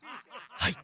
はい。